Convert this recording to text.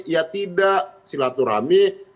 ya tidak silaturahmi